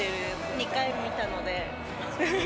２回、見たので。